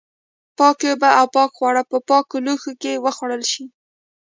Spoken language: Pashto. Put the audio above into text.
پاکې اوبه او پاک خواړه په پاکو لوښو کې وخوړل شي.